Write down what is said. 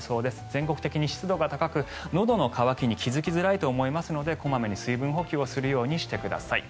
全国的に湿度が高くのどの渇きに気付きづらいと思いますので小まめに水分補給をするようにしてください。